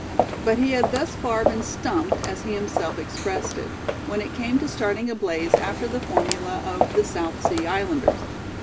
But he had thus far been "stumped" as he himself expressed it, when it came to starting a blaze after the formula of the South Sea Islanders.